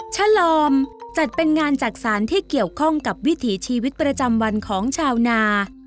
ฉลอมจัดเป็นงานจักษานที่เกี่ยวข้องกับวิถีชีวิตประจำวันของชาวนา